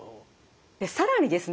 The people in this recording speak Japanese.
更にですね